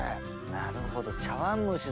なるほど。